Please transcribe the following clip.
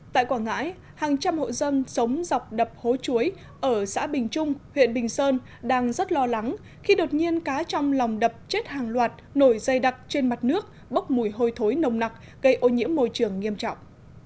tại quảng ngãi hàng trăm hộ dân sống dọc đập hố chuối ở xã bình trung huyện bình sơn đang rất lo lắng khi đột nhiên cá trong lòng đập chết hàng loạt nổi dây đặc trên mặt nước bốc mùi hôi thối nồng nặc gây ô nhiễm môi trường nghiêm trọng